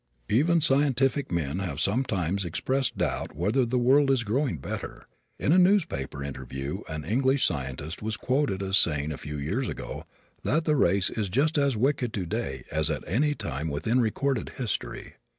Even scientific men have sometimes expressed doubt whether the world is growing better. In a newspaper interview an English scientist was quoted as saying a few years ago that the race is just as wicked today as at any time within recorded history.